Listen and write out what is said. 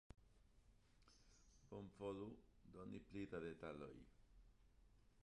Bonvolu doni pli da detaloj